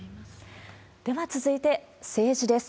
では続いて、政治です。